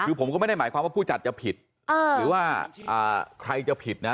คือผมก็ไม่ได้หมายความว่าผู้จัดจะผิดหรือว่าใครจะผิดนะ